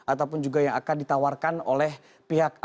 ataupun juga yang akan ditawarkan oleh pihak